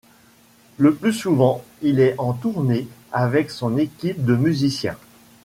Le plus souvent, il est en tournée avec son équipe de musiciens.